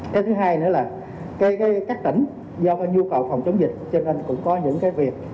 cái thứ hai nữa là các tỉnh do có nhu cầu phòng chống dịch cho nên cũng có những cái việc